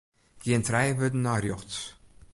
Gean trije wurden nei rjochts.